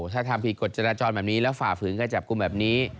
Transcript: ถ้าทำผิดกฎจราจรแบบนี้แล้วฝ่าฝืนการจับกลุ่มแบบนี้